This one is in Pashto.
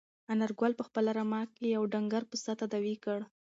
انارګل په خپله رمه کې یو ډنګر پسه تداوي کړ.